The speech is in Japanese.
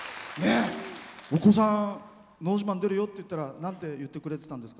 お子さん、「のど自慢」出るよって言ったらなんて言ってくれてたんですか？